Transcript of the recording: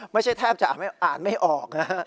ไม่ใช่แทบจะอ่านอ่านไม่ออก